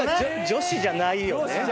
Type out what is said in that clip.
女子じゃないし。